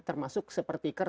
termasuk seperti keramik